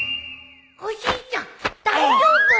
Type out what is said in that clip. おじいちゃん大丈夫！？